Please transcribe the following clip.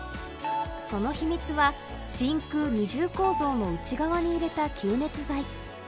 その秘密は真空二重構造の内側に入れた吸熱剤